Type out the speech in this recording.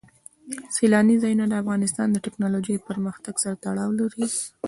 سیلانی ځایونه د افغانستان د تکنالوژۍ پرمختګ سره تړاو لري.